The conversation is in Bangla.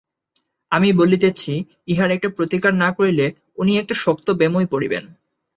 আমি বলিতেছি, ইহার একটা প্রতিকার না করিলে উনি একটা শক্ত ব্যামোয় পড়িবেন।